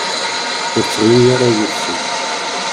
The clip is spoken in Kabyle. Ur ttɣimi ara yid-sent.